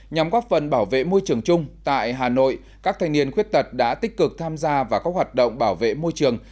nhằm góp phần bảo vệ môi trường chung tại hà nội các thanh niên khuyết tật đã tích cực tham gia vào các hoạt động bảo vệ môi trường